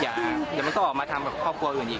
อย่าอย่าต้องออกมาทำกับครอบครัวอื่นอีก